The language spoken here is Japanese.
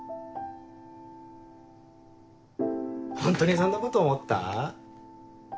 本当にそんなこと思った？